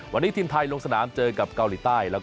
วันนี้ทีมไทยลงสนามเจอกับเกาหลีใต้